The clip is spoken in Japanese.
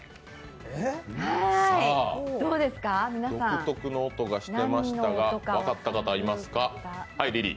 独特の音がしていましたが、分かった方、いますか？